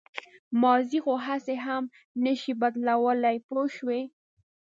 ماضي خو هسې هم نه شئ بدلولی پوه شوې!.